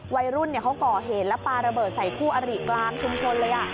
วัยรุ่นเขาก่อเหตุแล้วปลาระเบิดใส่คู่อริกลางชุมชนเลย